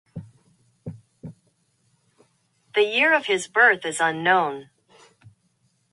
The year of his birth is unknown.